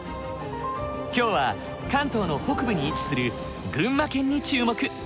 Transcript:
今日は関東の北部に位置する群馬県に注目。